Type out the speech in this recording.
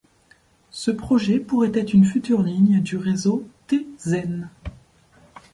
Ce projet pourrait être une future ligne du réseau T Zen.